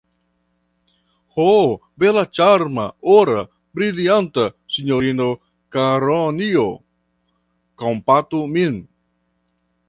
Ho, bela ĉarma, ora, brilianta sinjorino Karonjo, kompatu min!